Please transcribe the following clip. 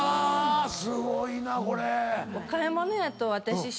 すごいなぁこれ。